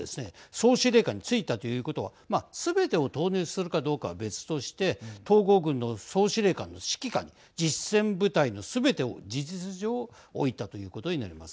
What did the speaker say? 総司令官についたということはまあ、すべてを投入するかどうかは別として総合軍の総司令官の指揮下に実戦部隊のすべてを事実上置いたということになります。